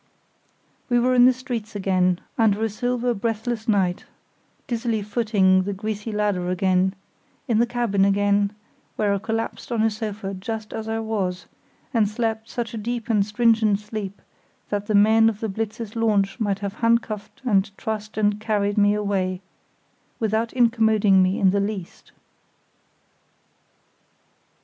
We were in the streets again, under a silver, breathless night; dizzily footing the greasy ladder again; in the cabin again, where I collapsed on a sofa just as I was, and slept such a deep and stringent sleep that the men of the Blitz's launch might have handcuffed and trussed and carried me away, without incommoding me in the least.